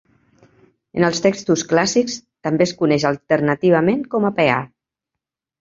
En els textos clàssics també es coneix alternativament com a peà.